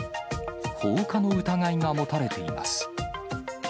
放火の疑いが持たれています。